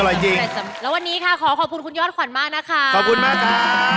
แล้วอันนี้ขอขอบคุณคุณย้อนขวัญมากนะคะ